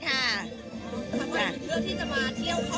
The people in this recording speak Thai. ทำไมคุณเลือกที่จะมาเที่ยวเข้าประสาที่งานแถงเทียนทุกคน